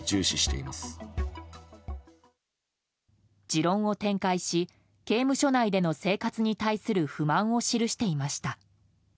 持論を展開し刑務所内での生活に対する不満を記していました。